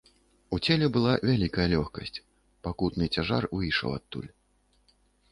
У целе была вялікая лёгкасць, пакутны цяжар выйшаў адтуль.